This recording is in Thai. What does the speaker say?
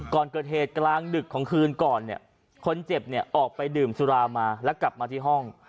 ก่อนเกิดเหตุกลางดึกของคืนก่อนเนี่ยคนเจ็บเนี่ยออกไปดื่มสุรามาแล้วกลับมาที่ห้อง